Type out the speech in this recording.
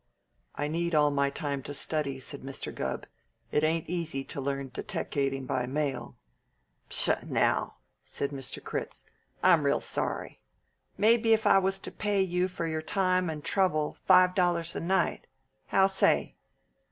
"I need all my time to study," said Mr. Gubb. "It ain't easy to learn deteckating by mail." "Pshaw, now!" said Mr. Critz. "I'm real sorry! Maybe if I was to pay you for your time and trouble five dollars a night? How say?"